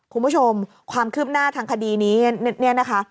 คุณผู้ชมความคืบหน้าทางคดีนี้เนี่ยนะคะ